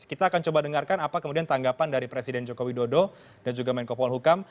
kita akan coba dengarkan apa kemudian tanggapan dari presiden joko widodo dan juga menko polhukam